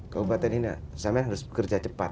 kabupaten ini sampai harus bekerja cepat